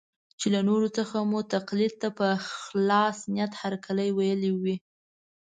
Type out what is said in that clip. چې له نورو څخه مو تقلید ته په خلاص نیت هرکلی ویلی وي.